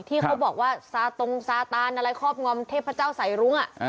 ที่เขาบอกว่าซาตรงซาตานอะไรครอบงอมเทพเจ้าสายรุ้ง